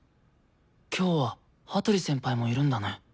今日は羽鳥先輩もいるんだね。